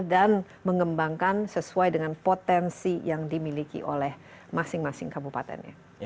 dan mengembangkan sesuai dengan potensi yang dimiliki oleh masing masing kabupaten